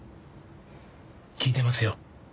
聞いてますよ。